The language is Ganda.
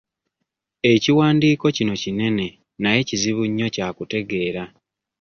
Ekiwandiiko kino kinene naye kizibu nnyo kya kutegeera.